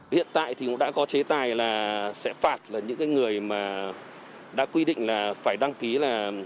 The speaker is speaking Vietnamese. hiện tại thì cũng đã có chế tài là sẽ phạt là những người mà đã quy định là phải đăng ký là